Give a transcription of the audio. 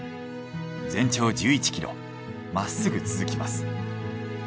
全長１１ｋｍまっすぐ続きます。